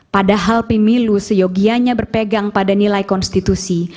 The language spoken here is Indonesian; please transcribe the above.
padahal pemilu seyogianya berpegang pada nilai konstitusi